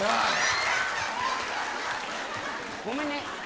ごめんね。